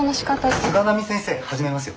菅波先生始めますよ。